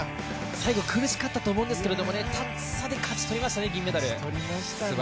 最後苦しかったと思うんですけど、タッチ差で勝ち取りましたね銀メダル。